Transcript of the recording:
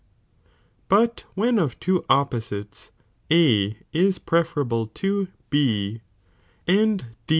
But when of two opposites A ia preferable to B, and.